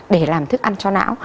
để làm thức ăn cho não